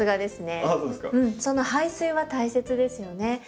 その排水は大切ですよね。